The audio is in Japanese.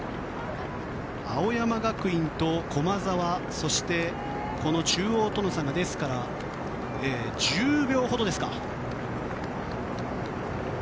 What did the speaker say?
青山学院と駒澤そして中央との差が１０秒ほどですか。